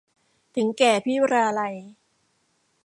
ถึงแก่พิราลัย